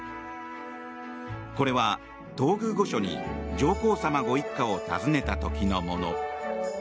これは、東宮御所に上皇さまご一家を訪ねた時のもの。